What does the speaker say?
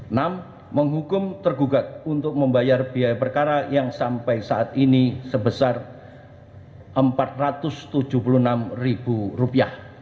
enam menghukum tergugat untuk membayar biaya perkara yang sampai saat ini sebesar rp empat ratus tujuh puluh enam